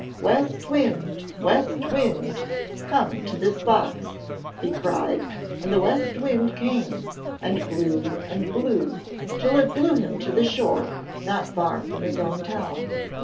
'West wind! West wind! Come to this box,' he cried, and the west wind came, and blew and blew, till it blew him to the shore, not far from his own town.